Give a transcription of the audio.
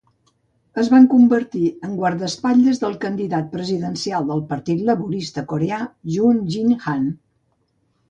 Es van convertir en guardaespatlles del candidat presidencial del Partit Laborista coreà Jun Jin-Han.